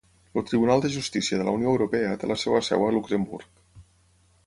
El Tribunal de Justícia de la Unió Europea té la seva seu a Luxemburg